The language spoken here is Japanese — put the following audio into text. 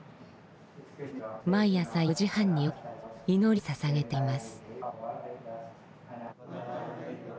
毎朝４時半に起き祈りを捧げています。